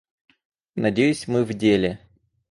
Надеюсь, мы в деле.